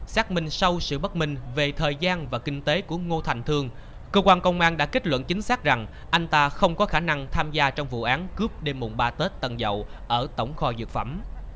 xác minh sau sự bất minh về thời gian và kinh tế của ngô thành thương cơ quan công an đã kết luận chính xác rằng anh ta không có khả năng tham gia trong vụ án cướp đêm mùng ba tết tân dậu ở tổng kho dược phẩm